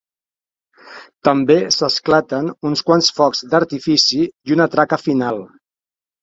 També s'esclaten uns quants focs d'artifici i una traca final.